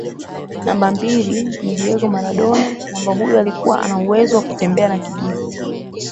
Namba mbili ni Diego Maradona mwamba huyu alikua ana uwezo wa kutembea na kijiji